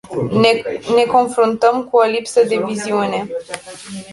Ne confruntăm cu o lipsă de viziune.